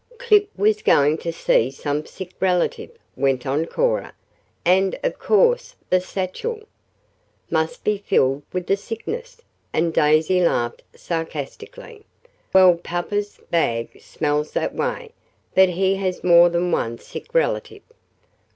"Clip was going to see some sick relative," went on Cora, "and of course the satchel " "Must be filled with the sickness," and Daisy laughed sarcastically. "Well, papa's bag smells that way, but he has more than one 'sick relative.'"